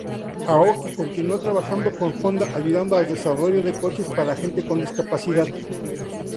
Aoki continúa trabajando con Honda, ayudando al desarrollo de coches para gente con discapacidad.